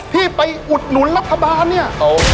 ที่ไปอุดหนุนรัฐบาลเนี่ย